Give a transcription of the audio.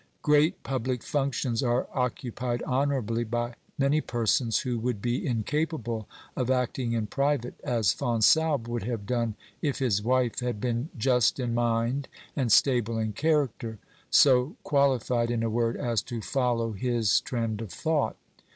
Great public functions are occupied honourably by many persons who would be incapable of acting in private as Fonsalbe would have done if his wife had been just in mind and stable in character, so qualified, in a word, as to follow his trend of thought.